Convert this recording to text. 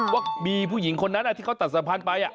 ว่ามีผู้หญิงคนนั้นที่เขาตัดสัมพันธ์ไป